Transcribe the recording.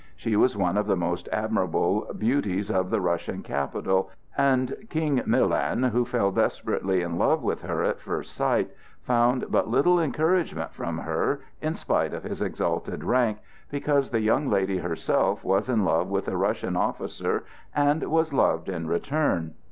She was one of the most admirable beauties of the Russian capital, and King Milan, who fell desperately in love with her at first sight, found but little encouragement from her, in spite of his exalted rank, because the young lady herself was in love with a Russian officer and was loved in return.